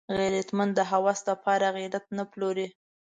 غیرتمند د هوس د پاره غیرت نه پلوري